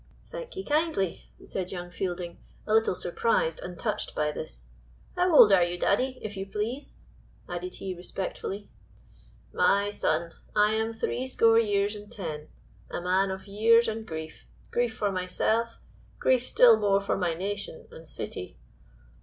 "Thank ye kindly," said young Fielding, a little surprised and touched by this. "How old are you, daddy, if you please?" added he respectfully. "My son, I am threescore years and ten a man of years and grief grief for myself, grief still more for my nation and city.